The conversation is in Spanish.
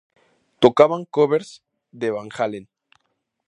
Tocaban covers de Van Halen.